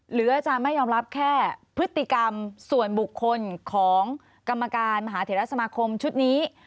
อาจารย์ไม่ยอมรับแค่พฤติกรรมส่วนบุคคลของกรรมการมหาเถระสมาคมชุดนี้